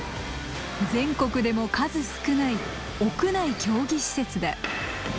全国でも数少ない屋内競技施設だ。